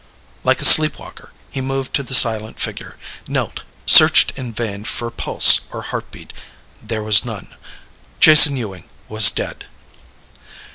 Like a sleep walker, he moved to the silent figure, knelt, searched in vain for pulse or heart beat. There was none. Jason Ewing was dead.